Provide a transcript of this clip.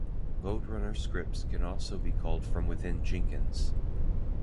LoadRunner scripts can also be called from within Jenkins.